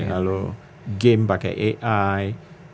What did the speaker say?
lalu game pakai ai